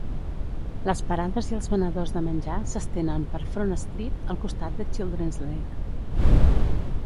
Les parades i els venedors de menjar s'estenen per Front Street, al costat de Children's Lake.